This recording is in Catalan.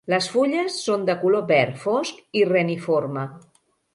Les fulles són de color verd fosc i reniforme.